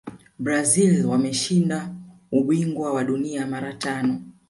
brazil wameshinda ubingwa wa dunia mara tano